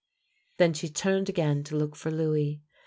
" Then she turned again to look for Louis.